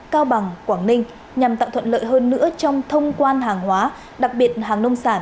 cao bằng quảng ninh nhằm tạo thuận lợi hơn nữa trong thông quan hàng hóa đặc biệt hàng nông sản